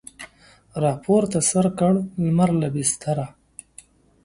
راپورته سر کړ لمر له بستره